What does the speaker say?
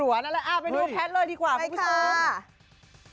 เอาไปดูแพทย์เลยดีกว่าคุณผู้ชม